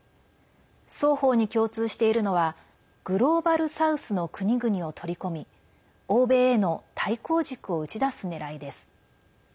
双方に共通しているのはグローバル・サウスの国々を取り込み欧米への対抗軸を打ち出すねらいです。